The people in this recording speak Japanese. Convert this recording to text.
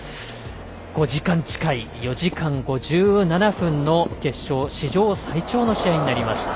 ５時間近い、４時間５７分の決勝史上最長の試合になりました。